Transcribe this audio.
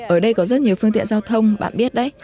ở đây có rất nhiều phương tiện giao thông bạn biết đấy